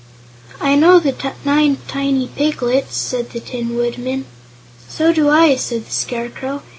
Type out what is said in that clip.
"I know the Nine Tiny Piglets," said the Tin Woodman. "So do I," said the Scarecrow.